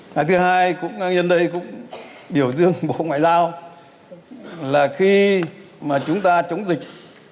ngày thứ hai nhân dân đây cũng biểu dương bộ ngoại giao là khi chúng ta chống dịch